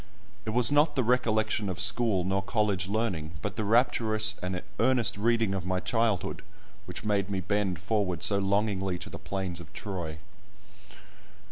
It was not the recollection of school nor college learning, but the rapturous and earnest reading of my childhood, which made me bend forward so longingly to the plains of Troy.